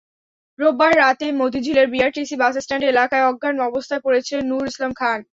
রোববার রাতে মতিঝিলের BRTC bus stand এলাকায় অজ্ঞান অবস্থায় পড়ে ছিলেন নূর ইসলাম খান।